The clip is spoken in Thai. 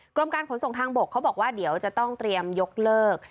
กรมการขนส่งทางบกเขาบอกว่าเดี๋ยวจะต้องเตรียมยกเลิก